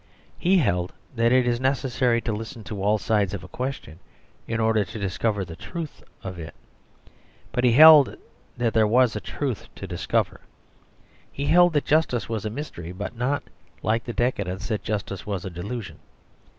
He held that it is necessary to listen to all sides of a question in order to discover the truth of it. But he held that there was a truth to discover. He held that justice was a mystery, but not, like the decadents, that justice was a delusion.